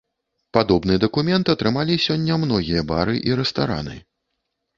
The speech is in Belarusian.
Падобны дакумент атрымалі сёння многія бары і рэстараны.